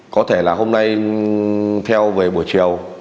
có thể là hôm nay theo về buổi chiều